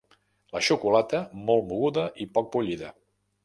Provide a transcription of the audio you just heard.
La xocolata, molt moguda i poc bullida.